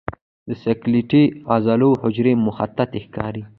د سکلیټي عضلو حجرې مخططې ښکاري.